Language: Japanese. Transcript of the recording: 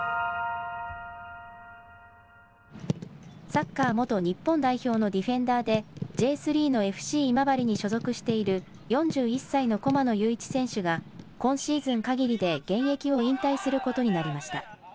サッカー元日本代表のディフェンダーでＪ３のＦＣ今治に所属している４１歳の駒野友一選手が今シーズンかぎりで現役を引退することになりました。